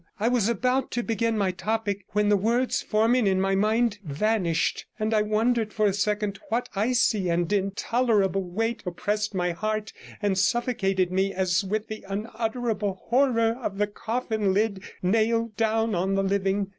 I was about to begin my topic when the words forming in my mind vanished, and I wondered for a second what icy and intolerable weight oppressed my heart and suffocated me as with the unutterable horror of the coffin lid nailed down on the living.